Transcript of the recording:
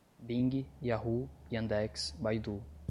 Bing, Yahoo, Yandex, Baidu